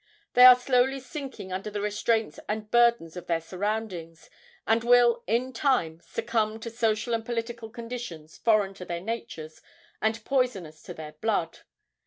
They are slowly sinking under the restraints and burdens of their surroundings, and will in time succumb to social and political conditions foreign to their natures and poisonous to their blood.